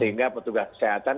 sehingga petugas kesehatan